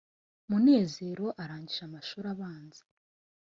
munezero arangije amashuri abanza,